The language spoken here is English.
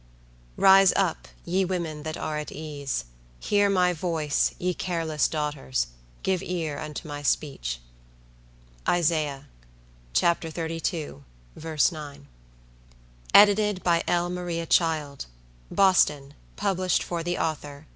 "Rise up, ye women that are at ease! Hear my voice, ye careless daughters! Give ear unto my speech." Isaiah xxxii. 9. Edited By L. Maria Child. Boston: Published For The Author.